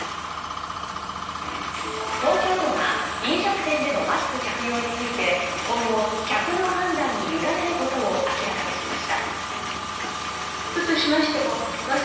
東京都が飲食店でのマスク着用について今後、客の判断に委ねることを明らかにしました。